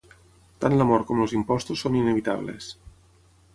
Tant la mort com els impostos són inevitables.